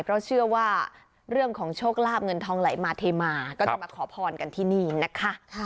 เพราะเชื่อว่าเรื่องของโชคลาบเงินทองไหลมาเทมาก็จะมาขอพรกันที่นี่นะคะ